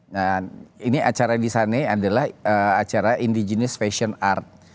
nah ini acara di sana adalah acara indigenius fashion art